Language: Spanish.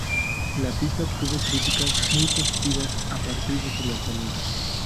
La pista obtuvo críticas muy positivas a partir de su lanzamiento.